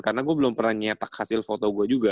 karena gua belum pernah nyetak hasil foto gua juga